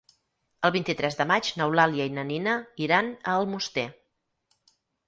El vint-i-tres de maig n'Eulàlia i na Nina iran a Almoster.